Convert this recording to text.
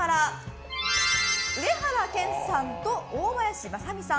上原謙さんと大林雅美さん。